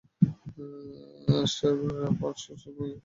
Ashtray, pot, সূচিশিল্প এর এক প্রদর্শনীতে।